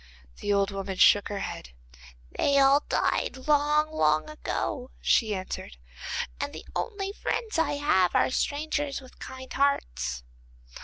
The old woman shook her head. 'They all died long, long ago,' she answered, 'and the only friends I have are strangers with kind hearts.